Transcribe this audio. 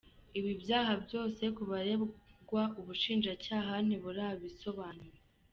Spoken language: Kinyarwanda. Ibi byaha byose ku baregwa ubushinjacyaha ntiburabisobanura.